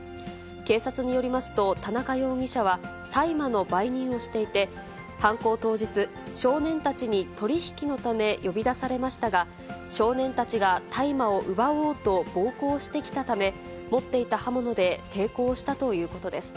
警察によりますと、田中容疑者は大麻の売人をしていて、犯行当日、少年たちに取り引きのため呼び出されましたが、少年たちが大麻を奪おうと暴行してきたため、持っていた刃物で抵抗したということです。